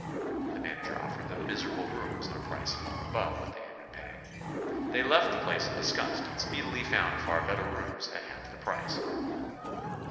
The manager ofifered them miserable rooms at a price far above what they had been paying. They left the place in disgust and speedily found far better rooms at half the price.